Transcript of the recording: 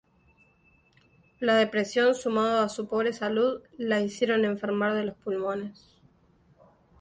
La depresión, sumado a su pobre salud la hicieron enfermar de los pulmones.